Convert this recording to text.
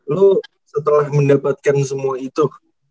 lo setelah mendapatkan semua itu